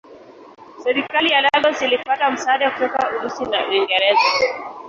Serikali ya Lagos ilipata msaada kutoka Urusi na Uingereza.